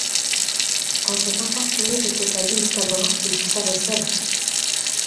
Quand cet infortuné était à l’île Tabor, il se savait seul!